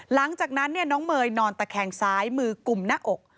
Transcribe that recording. หลังจากนั้นน้องเมย์นอนตะแคงซ้ายมือกลุ่มหน้าอก